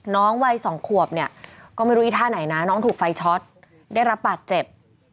น้องวัย๒ขวบเนี่ยก็ไม่รู้อีท่าไหนนะน้องถูกไฟช็อตได้รับบาดเจ็บ